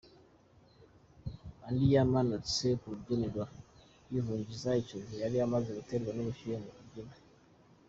Undi yamanutse ku rubyiniro yihungiza icyunzwe yari amaze guterwa n’ubushyuhe mu kubyina.